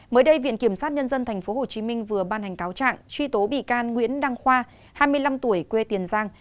mới đây viện kiểm sát nhân dân tp hcm vừa ban hành cáo trạng truy tố bị can nguyễn đăng khoa hai mươi năm tuổi quê tiền giang